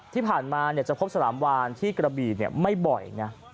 ที่ผ่านมาจะพบฉลามวานที่กระบี่ไม่บ่อยนะ